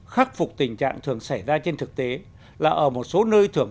khắc phục tình trạng thường xảy ra trên thực tế là ở một số nơi thường